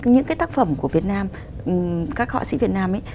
những cái tác phẩm của việt nam các họa sĩ việt nam ấy